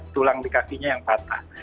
tulang di kakinya yang patah